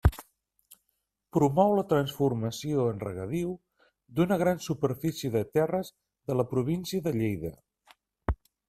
Promou la transformació en regadiu d'una gran superfície de terres de la província de Lleida.